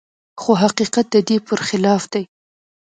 خو حقيقت د دې پرخلاف دی.